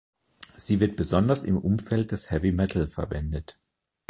Sie wird besonders im Umfeld des Heavy Metal verwendet.